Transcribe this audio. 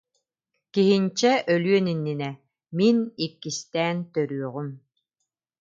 Киһинчэ өлүөн иннинэ: «Мин иккистээн төрүөҕүм»